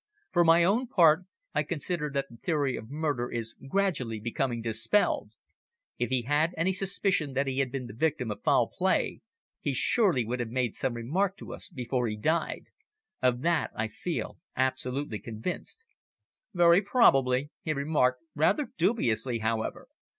For my own part, I consider that the theory of murder is gradually becoming dispelled. If he had any suspicion that he had been the victim of foul play, he surely would have made some remark to us before he died. Of that I feel absolutely convinced." "Very probably," he remarked, rather dubiously, however.